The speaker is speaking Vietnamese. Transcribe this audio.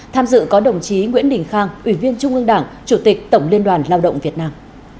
tham dự có đồng chí nguyễn đình khang ủy viên trung ương đảng chủ tịch tổng liên đoàn lao động việt nam